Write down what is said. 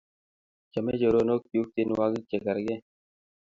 chame choronok chuk tienwogik che kargei